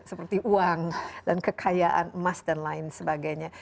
seperti uang dan kekayaan emas dan lain sebagainya